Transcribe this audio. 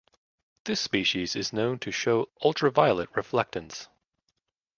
This species is known to show ultraviolet reflectance.